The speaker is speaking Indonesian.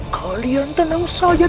kalian tenang saja